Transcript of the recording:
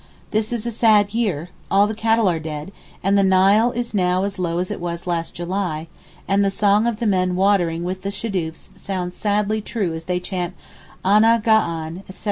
This is a sad year—all the cattle are dead, the Nile is now as low as it was last July, and the song of the men watering with the shadoofs sounds sadly true as they chant Ana ga ahn, etc.